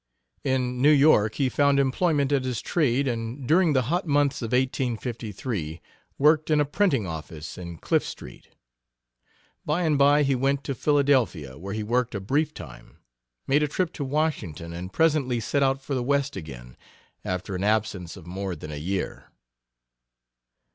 In New York he found employment at his trade, and during the hot months of 1853 worked in a printing office in Cliff Street. By and by he went to Philadelphia, where he worked a brief time; made a trip to Washington, and presently set out for the West again, after an absence of more than a year.